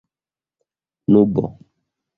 nubo